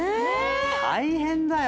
大変だよ